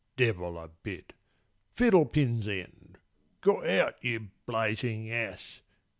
Devil a bit. Fiddlepin's end! Got out, you blazing ass!